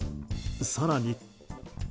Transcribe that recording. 更に。